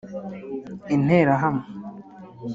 Interahamwe